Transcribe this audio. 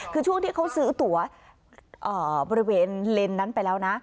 คือช่วงที่เขาซื้อตัวบริเวณเลนส์นั้นไปแล้วนะ